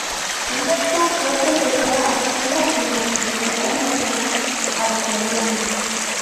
Anderson fue profesora adjunta en la Universidad Nacional australiana.